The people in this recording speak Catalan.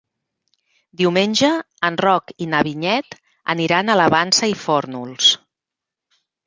Diumenge en Roc i na Vinyet aniran a la Vansa i Fórnols.